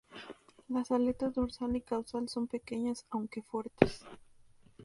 Las aletas dorsal y caudal son pequeñas aunque fuertes.